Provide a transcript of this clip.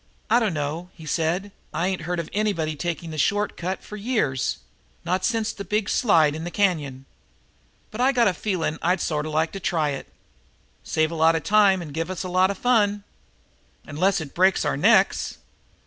"I dunno," he said, "I ain't heard of anybody taking the short cut for years not since the big slide in the canyon. But I got a feeling I'd sort of like to try it. Save a lot of time and give us a lot of fun." "Unless it breaks our necks."